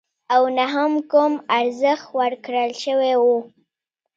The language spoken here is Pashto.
او نه هم کوم ارزښت ورکړل شوی وو.